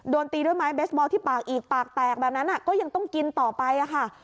ตีด้วยไม้เบสบอลที่ปากอีกปากแตกแบบนั้นก็ยังต้องกินต่อไปค่ะ